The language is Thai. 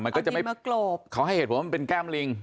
มันก็จะไม่กลบเขาให้เห็นเหมือนมันเป็นแก้มลิง